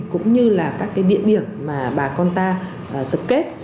cũng như là các cái địa điểm mà bà con ta tập kết